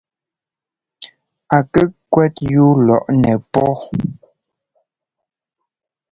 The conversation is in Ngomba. A kɛ kwɛ́t yúu lɔꞌnɛ pɔ́.